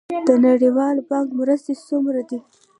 د نړیوال بانک مرستې څومره دي؟